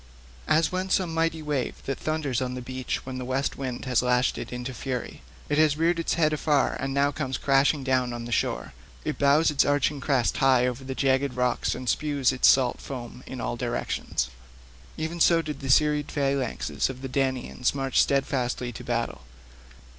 As when some mighty wave that thunders on the beach when the west wind has lashed it into fury—it has reared its head afar and now comes crashing down on the shore; it bows its arching crest high over the jagged rocks and spews its salt foam in all directions—even so did the serried phalanxes of the Danaans march steadfastly to battle.